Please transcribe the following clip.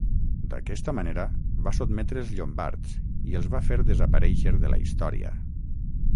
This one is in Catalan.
D'aquesta manera va sotmetre els llombards i els va fer desaparèixer de la Història.